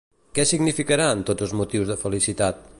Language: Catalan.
Què significarà en tots els motius de felicitat?